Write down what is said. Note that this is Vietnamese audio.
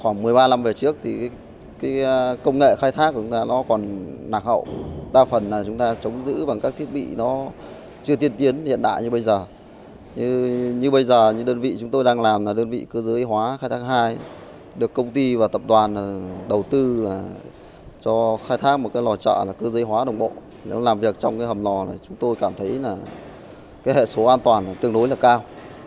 nếu như các công nhân có thể làm việc trong hầm lò chúng tôi cảm thấy hệ số an toàn tương đối cao